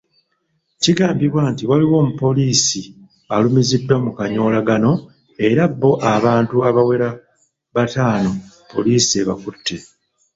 Kigambibwa nti waliwo omupoliisi alumiziddwa mu kanyoolagano era bo abantu abawera bataano poliisi ebakutte.